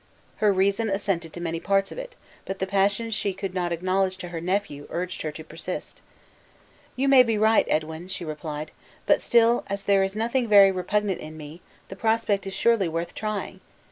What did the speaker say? Her reason assented to many parts of it; but the passion she could not acknowledge to her nephew, urged her to persist. "You may be right, Edwin," she replied; "but still, as there is nothing very repugnant in me, the project is surely worth trying!